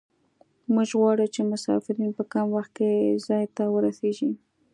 موږ غواړو چې مسافرین په کم وخت کې ځای ته ورسیږي